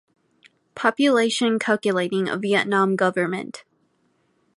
Population calculating of Vietnam Government.